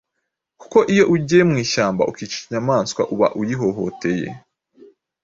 kuko iyo ugiye mu ishyamba ukica inyamaswa uba uyihohoteye,